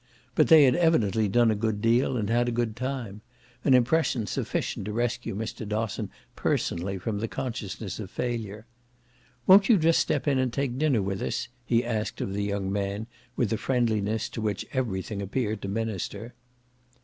But they had evidently done a good deal and had a good time: an impression sufficient to rescue Mr. Dosson personally from the consciousness of failure. "Won't you just step in and take dinner with us?" he asked of the young man with a friendliness to which everything appeared to minister.